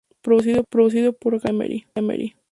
Producido por Gareth Emery.